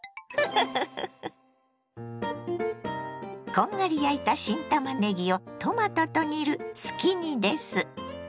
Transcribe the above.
こんがり焼いた新たまねぎをトマトと煮るすき煮です。